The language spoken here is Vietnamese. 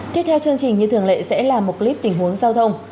tiếp theo chương trình như thường lệ sẽ là một clip tình huống giao thông